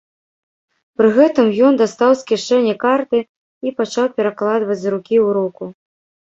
Пры гэтым ён дастаў з кішэні карты і пачаў перакладваць з рукі ў руку.